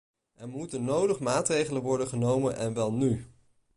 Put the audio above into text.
Er moeten nodig maatregelen worden genomen en wel nu.